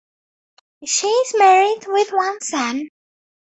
She is married with one son.